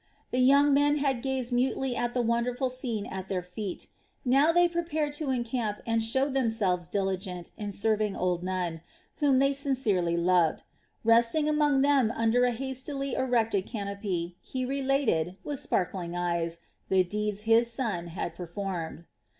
The young men had gazed mutely at the wonderful scene at their feet. Now they prepared to encamp and showed themselves diligent in serving old Nun, whom they sincerely loved. Resting among them under a hastily erected canopy he related, with sparkling eyes, the deeds his son had performed.